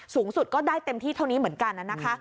สูงสุดก็ได้เต็มที่เท่านี้เหมือนกันนะคะ